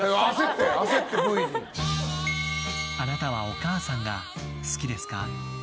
あなたはお母さんが好きですか？